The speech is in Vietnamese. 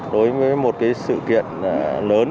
đối với một cái sự kiện lớn